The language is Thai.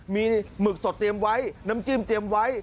มีหมึกสดเตรียมไว้น้ำจิ้มเตรียมไว้